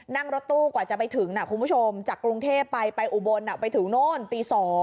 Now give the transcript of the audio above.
นั่งรถตู้กว่าจะไปถึงนะคุณผู้ชมจากกรุงเทพไปไปอุบลไปถึงโน่นตี๒